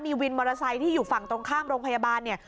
มีวินมอเตอร์ไซค์ที่อยู่ฝั่งตรงข้ามโรงพยาบาลเนี่ย